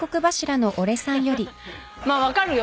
まあ分かるよ。